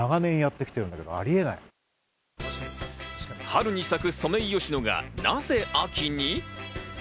春に咲くソメイヨシノが、なぜ秋に？